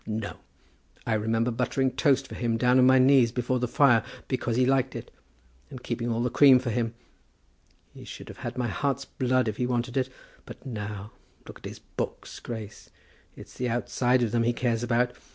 No! I remember buttering toast for him down on my knees before the fire, because he liked it, and keeping all the cream for him. He should have had my heart's blood if he wanted it. But now; look at his books, Grace. It's the outside of them he cares about.